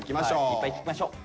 いっぱい聞きましょう！